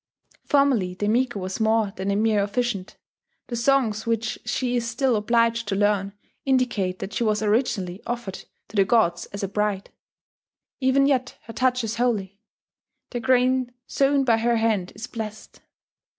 Formerly the Miko was more than a mere officiant: the songs which she is still obliged to learn indicate that she was originally offered to the gods as a bride. Even yet her touch is holy; the grain sown by her hand is blessed.